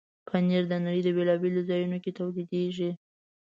پنېر د نړۍ بیلابیلو ځایونو کې تولیدېږي.